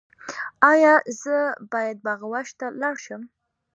ایا زه باید باغ وحش ته لاړ شم؟